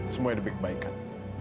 semuanya demi kebaikan